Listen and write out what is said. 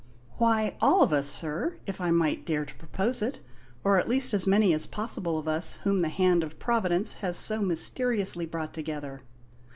"Why, all of us, sir, if I might dare to propose it; or at least as many as possible of us whom the hand of Providence has so mysteriously brought together.